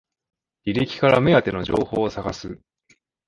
履歴から目当ての情報を探す